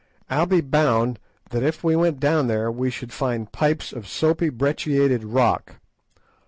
I'll be bound that if we went down there we should find 'pipes' of soapy brecciated rock.